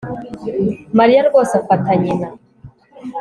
Mariya rwose afata nyina